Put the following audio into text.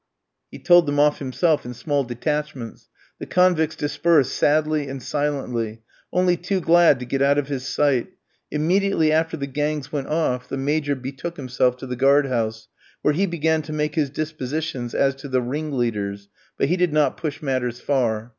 He told them off himself in small detachments. The convicts dispersed sadly and silently, only too glad to get out of his sight. Immediately after the gangs went off, the Major betook himself to the guard house, where he began to make his dispositions as to the "ringleaders," but he did not push matters far.